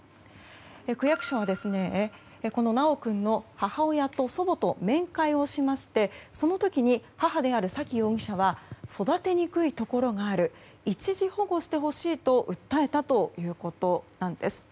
区役所はこの修君の母親と祖母と面会をしましてその時に、母である沙喜容疑者は育てにくいところがある一時保護してほしいと訴えたということです。